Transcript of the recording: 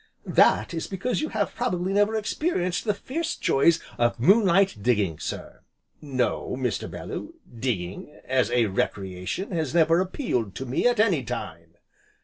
"That is because you have probably never experienced the fierce joys of moon light digging, sir." "No, Mr. Bellew, digging as a recreation, has never appealed to me at any time."